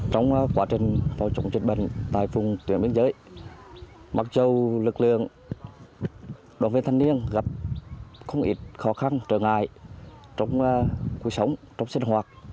trong quá trình phối hợp chống dịch bệnh tại vùng tuyến biên giới mặc dù lực lượng đồng viên thân niên gặp không ít khó khăn trở ngại trong cuộc sống trong sinh hoạt